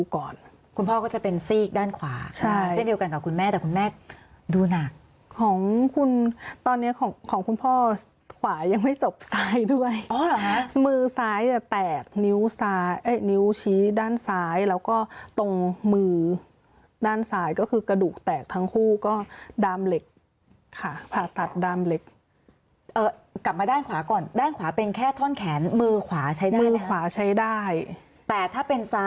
ก่อนคุณพ่อก็จะเป็นซีกด้านขวาใช่เช่นเดียวกันกับคุณแม่แต่คุณแม่ดูหนักของคุณตอนเนี้ยของของคุณพ่อขวายังไม่จบซ้ายด้วยมือซ้ายแตกนิ้วซ้ายนิ้วชี้ด้านซ้ายแล้วก็ตรงมือด้านซ้ายก็คือกระดูกแตกทั้งคู่ก็ดามเหล็กค่ะผ่าตัดดามเหล็กกลับมาด้านขวาก่อนด้านขวาเป็นแค่ท่อนแขนมือขวาใช้มือขวาใช้ได้แต่ถ้าเป็นซ